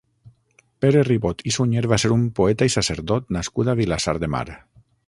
Pere Ribot i Sunyer va ser un poeta i sacerdot nascut a Vilassar de Mar.